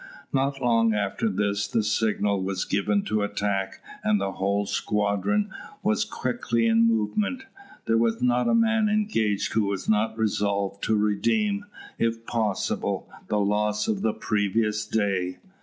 Not long after this the signal was given to attack, and the whole squadron was quickly in movement. There was not a man engaged who was not resolved to redeem, if possible, the loss of the previous day.